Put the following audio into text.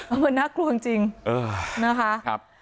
มันน่ากลัวจริงนะคะ